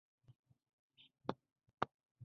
د ټکنالوجۍ پراختیا د پرمختللو هېوادونو لومړیتوب دی.